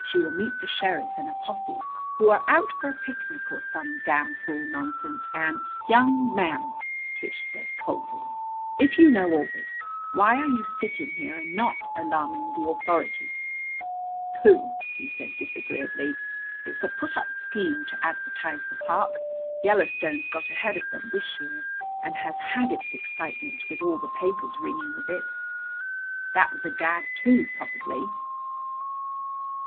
She will meet the sheriff and a posse, who are out for a picnic or some such damfool nonsense, and " "Young man," Tish said coldly, "if you know all this, why are you sitting here and not alarming the authorities?" "Pooh!" he said disagreeably. "It's a put up scheme, to advertise the park. Yellowstone's got ahead of them this year, and has had its excitement, with all the papers ringing with it. That was a gag, too, probably."